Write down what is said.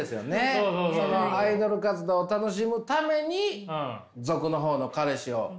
そのアイドル活動楽しむために俗の方の彼氏を。